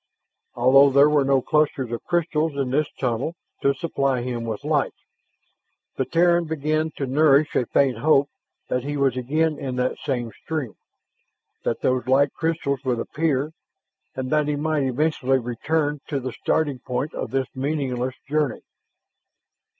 Although there were no clusters of crystals in this tunnel to supply him with light, the Terran began to nourish a faint hope that he was again in that same stream, that those light crystals would appear, and that he might eventually return to the starting point of this meaningless journey.